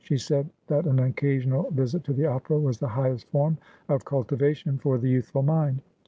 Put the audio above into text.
She said that an occasional visit to the opera was the highest form of cultivation for the youthful mind.